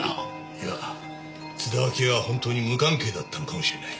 いや津田明江は本当に無関係だったのかもしれない。